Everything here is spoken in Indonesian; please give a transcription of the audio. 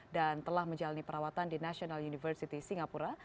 dan telah menjalani perawatan di national university singapura